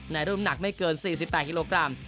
รุ่นหนักไม่เกิน๔๘กิโลกรัม